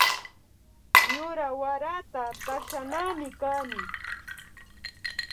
Yura warata takshanami kani